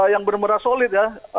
yang benar benar solid ya